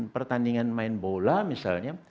pertandingan main bola misalnya